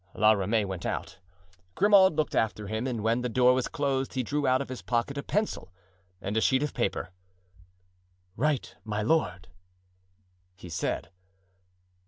La Ramee went out. Grimaud looked after him, and when the door was closed he drew out of his pocket a pencil and a sheet of paper. "Write, my lord," he said.